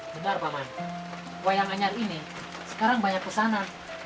benar pak man wayang anyar ini sekarang banyak pesanan